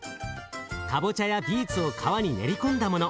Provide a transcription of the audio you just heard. かぼちゃやビーツを皮に練り込んだもの